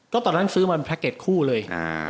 ก็ตอนนั้นซื้อมาเป็นแพ็กเก็ตคู่เลย